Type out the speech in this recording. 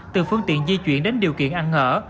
từ phương tiện di chuyển đến điều kiện ăn ở